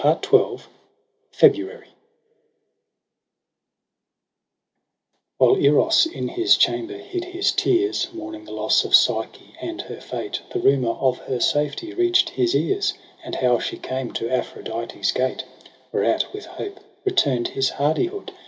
^^"SMT^ I FEBRUARY | "V\7'HILE Eros in his chamber hid his tears, Mourning the loss of Psyche and her fate, The rumour of her safety reacht his ears And how she came to Aphrodite's gate : Whereat with hope return'd his hardihood.